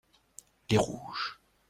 Les rouges.